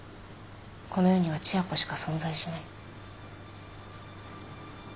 この世には千夜子しか存在しない。